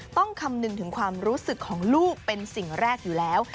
คำนึงถึงความรู้สึกของลูกเป็นสิ่งแรกอยู่แล้ว